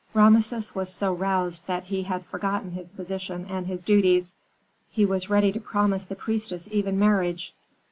Rameses was so roused that he had forgotten his position and his duties; he was ready to promise the priestess even marriage.